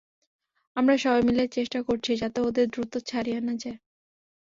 আমরা সবাই মিলে চেষ্টা করছি, যাতে ওদের দ্রুত ছাড়িয়ে আনা যায়।